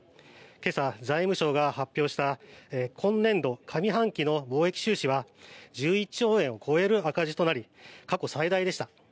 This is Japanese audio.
今朝、財務省が発表した今年度上半期の貿易収支は１１兆円を超える赤字となり過去最大でした。